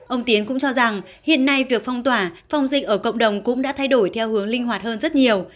ông tiến cũng cho rằng hiện nay việc phong tỏa phong dịch ở cộng đồng cũng đã thay đổi theo hướng linh hoạt hơn rất nhiều